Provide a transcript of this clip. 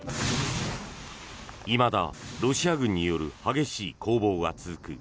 いまだロシア軍による激しい攻防が続く